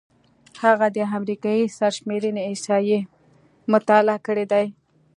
هغه د امریکايي سرشمېرنې احصایې مطالعه کړې دي.